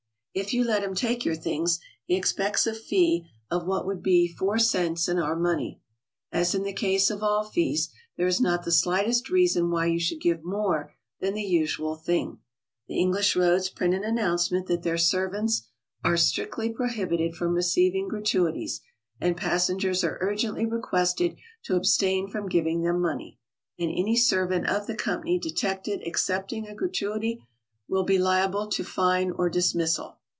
If you let him take your things, he expects a fee of what would be four cents in our money. As in the case of all fees, there is not the slightest reason why you should give more than the usual thing. The English roads print an announcement that their servants ''are strictly prohibited from receiving gratu ities, and passengers are urgently requested to abstain from giving them money; and any servant of the company de tected accepting a gratuity will be liable to fine or dismi'ssal.